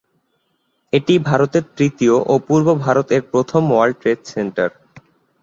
এটি ভারতের তৃতীয় ও পূর্ব ভারত এর প্রথম ওয়ার্ল্ড ট্রেড সেন্টার।